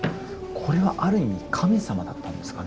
これはある意味神様だったんですかね？